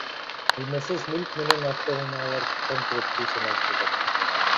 Кыймылсыз мүлк менен автоунаалар конкреттүү саналып жатат.